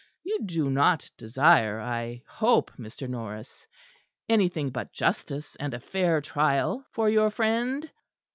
You do not desire, I hope, Mr. Norris, anything but justice and a fair trial for your friend?"